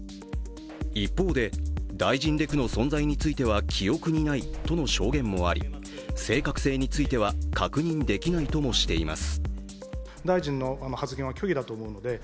一方で大臣レクの存在については記憶にないとの証言もあり正確性については確認できないともしています。